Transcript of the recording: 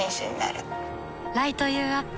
ライト・ユー・アップ